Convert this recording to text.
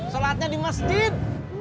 solatnya di masjid